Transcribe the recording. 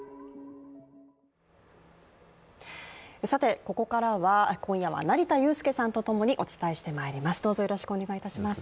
ここからは今夜は成田悠輔さんと共にお伝えしてまいります。